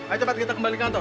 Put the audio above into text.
ayo cepat kita kembali kantor